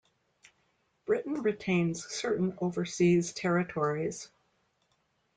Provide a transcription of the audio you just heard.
Britain retains certain overseas territories.